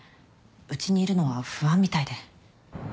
うちにいるのは不安みたいで。